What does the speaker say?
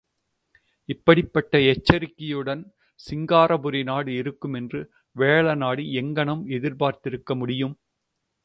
இப்படிப்பட்ட எச்சரிக்கையுடன் சிருங்காரபுரி நாடு இருக்குமென்று வேழநாடு எங்ஙனம் எதிர்பார்த்திருக்க முடியும்?